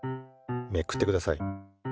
めくってください。